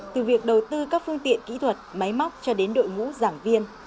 từ việc đầu tư các phương tiện kỹ thuật máy móc cho đến đội ngũ giảng viên